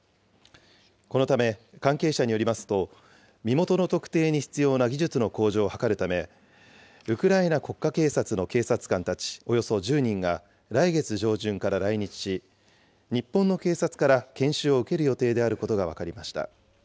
このため関係者によりますと、身元の特定に必要な技術の向上を図るため、ウクライナ国家警察の警察官たちおよそ１０人が来月上旬から来日し、日本の警察から研修を受ける予定であることが分かりました。